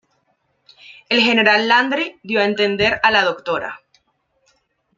El General Landry dio a entender a la Dra.